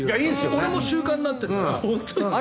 俺も習慣になってるから。